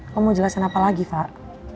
lo mau jelasin apa lagi fak